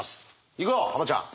行くよ浜ちゃん。